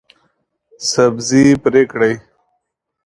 سبزي پرې کړئ